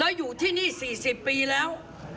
แล้วอยู่ที่นี่๔๐ปีแล้ว